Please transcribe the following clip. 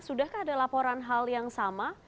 sudahkah ada laporan hal yang sama